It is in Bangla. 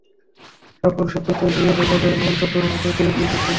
সামপুর সেতুতে গিয়ে দেখা যায়, মূল সেতুর মুখে বেইলি সেতু লাগানো।